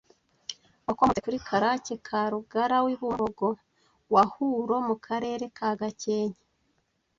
Wakomotse kuri Karake ka Rugara w’i bumbogo wa Huro mu Karere ka Gakenke